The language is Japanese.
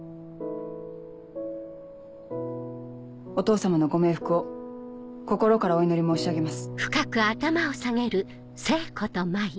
お義父様のご冥福を心からお祈り申し上げます。